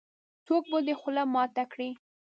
-څوک به دې خوله ماته کړې.